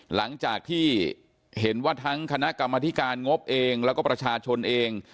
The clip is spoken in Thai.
หลังจากที่เห็นว่าทั้งคณะกรรมธิการงบเองแล้วก็ประชาชนเอง